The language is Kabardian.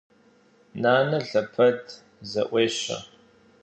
Нанэ лъэпэд зэӏуещэ.